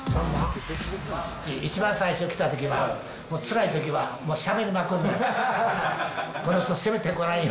一番最初来たときは、もうつらいときはしゃべりまくるねん。